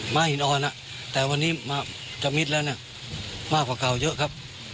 หินอ่อนแต่วันนี้มาจะมิดแล้วเนี่ยมากกว่าข่าวเยอะครับ